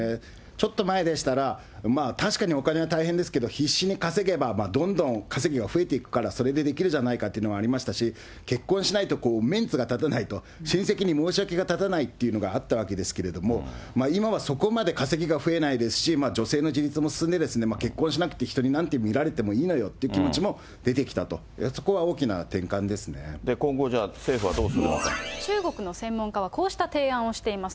ちょっと前でしたら、確かにお金は大変でしたけど、必死に稼げばどんどん稼ぎが増えていくから、それでできるじゃないかっていうのがありましたし、結婚しないとメンツが立たないと、親戚に申し訳が立たないっていうのがあったわけですけれども、今はそこまで稼ぎが増えないですし、女性の自立も進んで、結婚しなくて人になんて見られてもいいのよって気持ちも出てきた今後、じゃあ政府はどうする中国の専門家はこうした提案をしています。